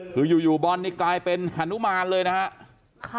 คืออยู่บอลนี่กลายเป็นฮานุมานเลยนะครับ